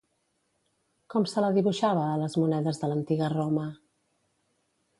Com se la dibuixava a les monedes de l'antiga Roma?